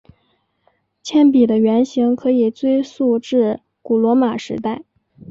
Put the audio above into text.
铅笔的原型可以追溯至古罗马时代。